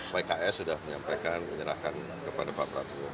pks sudah menyampaikan menyerahkan kepada pak prabowo